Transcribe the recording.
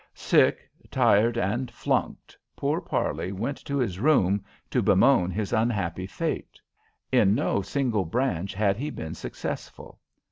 Sick, tired, and flunked, poor Parley went to his room to bemoan his unhappy fate. In no single branch had he been successful.